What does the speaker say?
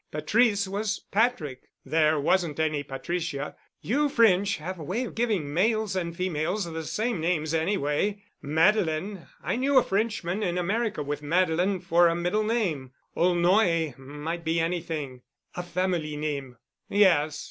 Patrice was Patrick. There wasn't any Patricia. You French have a way of giving males and females the same names anyway. Madeleine—I knew a Frenchman in America with Madeleine for a middle name. Aulnoy might be anything——" "A family name——" "Yes.